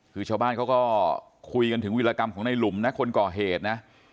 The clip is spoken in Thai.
คือชาวบ้านเขาก็คุยกันถึงวิรากรรมของในหลุมนะคนก่อเหตุนะ